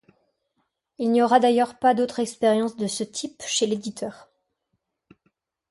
Il n'y aura d'ailleurs pas d'autre expérience de ce type chez l'éditeur.